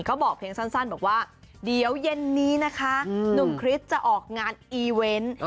บอกเพียงสั้นบอกว่าเดี๋ยวเย็นนี้นะคะหนุ่มคริสจะออกงานอีเวนต์